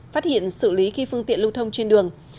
phát hiện xử lý khi phương tiện lưu thông trên đường